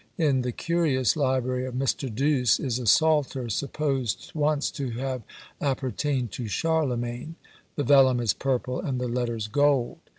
In the curious library of Mr. Douce is a Psalter, supposed once to have appertained to Charlemagne; the vellum is purple, and the letters gold.